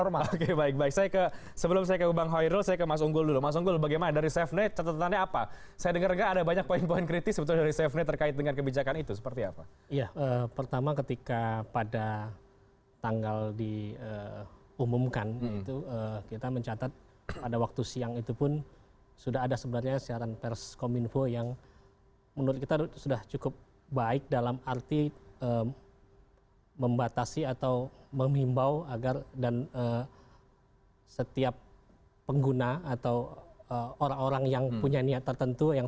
membatasi atau memimbau agar dan setiap pengguna atau orang orang yang punya niat tertentu yang